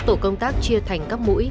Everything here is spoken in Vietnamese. tổ công tác chia thành các mũi